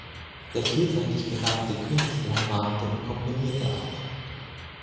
Der vielseitig begabte Künstler malte und komponierte auch.